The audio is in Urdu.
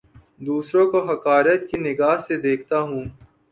دوسروں کو حقارت کی نگاہ سے دیکھتا ہوں